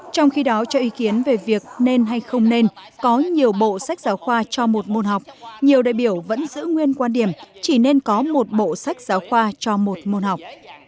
trong khi đó cho ý kiến về việc nên hay không nên có nhiều bộ sách giáo khoa cho một môn học nhiều đại biểu vẫn giữ nguyên quan điểm chỉ nên có một bộ sách giáo khoa cho một môn học